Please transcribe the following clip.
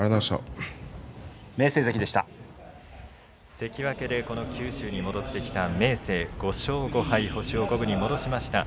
関脇で九州に戻ってきた明生、５勝５敗星を五分に戻しました。